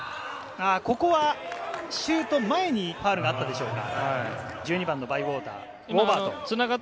ここはシュート前にファウルがあったでしょうか？